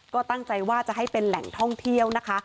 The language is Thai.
ก็ตั้งใจว่าจะให้เป็นแหล่งท่องเที่ยวนะคะ